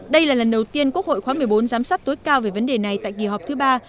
đây là lần đầu tiên quốc hội khóa một mươi bốn giám sát tối cao về vấn đề này tại kỳ họp thứ ba